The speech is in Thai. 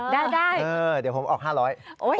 ได้เดี๋ยวผมออก๕๐๐บาท